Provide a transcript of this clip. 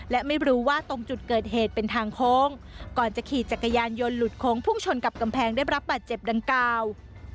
และไม่รู้ว่าตรงจุดเกิดเหตุเป็นทางโค้งก่อนจะขี่จักรยานยนต์หลุดโค้งพุ่งชนกับกำแพงได้รับบาดเจ็บดังกล่าว